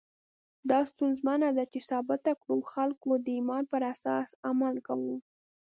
دا ستونزمنه ده چې ثابته کړو خلکو د ایمان پر اساس عمل کاوه.